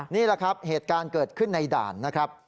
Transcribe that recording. นี่แหละครับเหตุการณ์เกิดขึ้นในด่านนะครับ